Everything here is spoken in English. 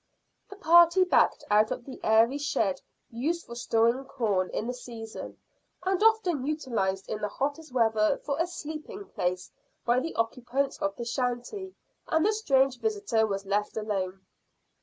The party backed out of the airy shed used for storing corn in the season, and often utilised in the hottest weather for a sleeping place by the occupants of the shanty, and the strange visitor was left alone.